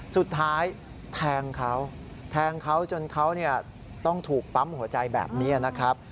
สุดท้ายแทงเขาแทงเขาจนเขาต้องถูกปั๊มหัวใจแบบนี้นะครับ